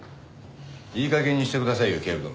いい加減にしてくださいよ警部殿。